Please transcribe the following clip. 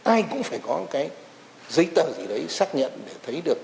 ai cũng phải có cái giấy tờ gì đấy xác nhận để thấy được